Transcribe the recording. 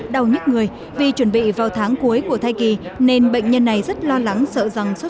đau nhức người vì chuẩn bị vào tháng cuối của thai kỳ nên bệnh nhân này rất lo lắng sợ rằng sốt